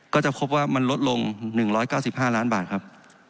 ก็จะพบว่ามันลดลง๑๙๕ล้านบาทครับ